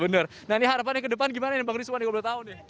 nah ini harapannya ke depan gimana nih bang risuwan dua belas tahun ya